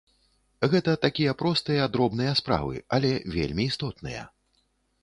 Гэта такія простыя, дробныя справы, але вельмі істотныя.